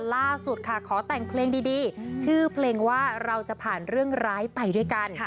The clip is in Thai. ล่าสุดค่ะขอแต่งเพลงดีชื่อเพลงว่าเราจะผ่านเรื่องร้ายไปด้วยกัน